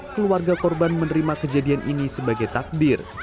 keluarga korban menerima kejadian ini sebagai takdir